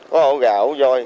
có ổ gà ổ voi